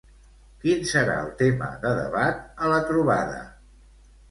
Quin serà el tema de debat a la trobada?